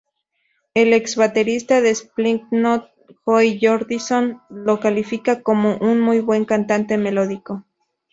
El ex-baterista de Slipknot Joey Jordison, lo califica como "un muy buen cantante melódico".